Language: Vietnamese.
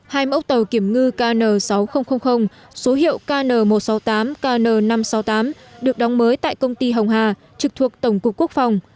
hai mẫu tàu kiểm ngư kn sáu nghìn số hiệu kn một trăm sáu mươi tám kn năm trăm sáu mươi tám được đóng mới tại công ty hồng hà trực thuộc tổng cục quốc phòng